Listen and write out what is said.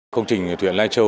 công trình thuyền lai châu